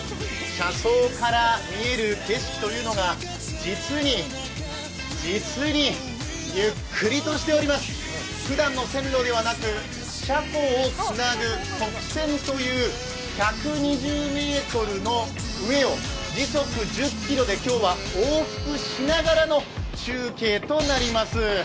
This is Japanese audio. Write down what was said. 車窓から見える景色というのが実に、実にゆっくりとしておりますふだんの線路ではなく、車庫をつなぐ直線という１２０ｍの上を時速１０キロで今日は往復しながらの中継となります。